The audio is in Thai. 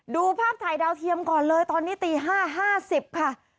ดูภาพถ่ายดาวเทียมก่อนเลยตอนนี้ตี๕๕๐ค่ะ